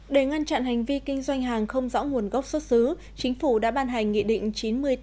để ngăn chặn hành vi kinh doanh hàng không rõ nguồn gốc xuất xứ chính phủ đã ban hành nghị định chín mươi tám